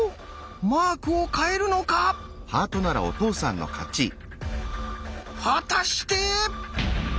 マークを変えるのか⁉果たして！